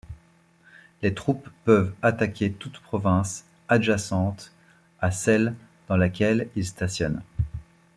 Les troupes peuvent attaquer toute province adjacente à celle dans laquelle ils stationnent.